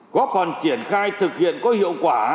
góp hoàn triển khai thực hiện có hiệu quả